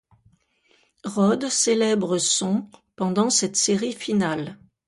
Rhodes célèbre son pendant cette série finale.